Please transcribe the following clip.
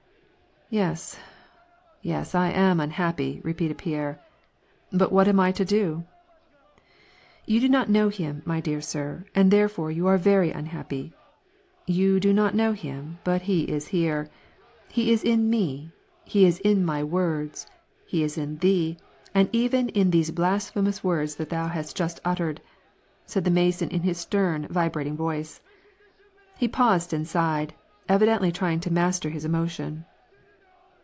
" Yes, yes, I am unhappy," repeated Pierre. " But what am I to do ?"" You do not know Him, my dear sir, and therefore you are very unhappy. You do not know Him, but He is here ; He is in me, He is in my words, He is in thee, and even in those blasphemous words that thou hast just uttered," said the Mason, in his stem, vibrating voice. He paused and sighed, evidently trying to master his emo tion.